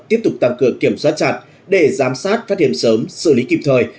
tiếp tục tăng cường kiểm soát chặt để giám sát phát hiện sớm xử lý kịp thời